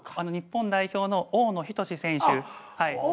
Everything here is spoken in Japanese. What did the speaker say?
日本代表の大野均選手はい。